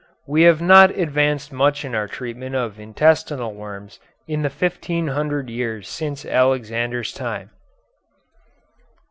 We have not advanced much in our treatment of intestinal worms in the fifteen hundred years since Alexander's time.